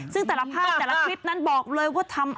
ซึ่งแต่ละภาพแต่ละคลิปนั้นบอกเลยว่าทำ